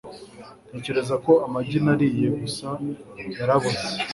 Ntekereza ko amagi nariye gusa yaraboze